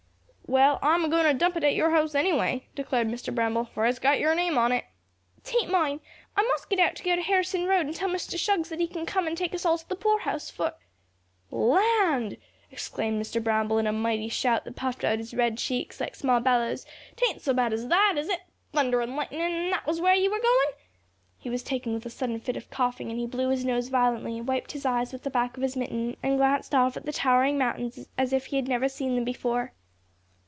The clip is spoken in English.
"Well, I'm a goin' to dump it at your house, anyway," declared Mr. Bramble, "for it's got your name on it." "'Tain't mine, an' I must git out an' go to Harrison road an' tell Mr. Shuggs that he can come and take us all to the poorhouse, for " "Land!" exclaimed Mr. Bramble, in a mighty shout that puffed out his red cheeks like small bellows, "'tain't so bad as that, is it? Thunder an' lightnin', an' that was where ye were goin'?" He was taken with a sudden fit of coughing and he blew his nose violently, wiped his eyes with the back of his mitten, and glanced off at the towering mountains as if he had never seen them before.